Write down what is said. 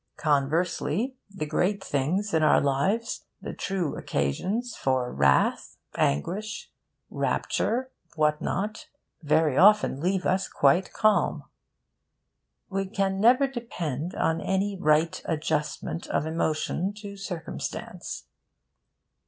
Conversely, the great things in our lives the true occasions for wrath, anguish, rapture, what not very often leave us quite calm. We never can depend on any right adjustment of emotion to circumstance.